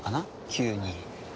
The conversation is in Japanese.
急に。